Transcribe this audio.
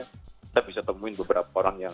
kita bisa temuin beberapa orang yang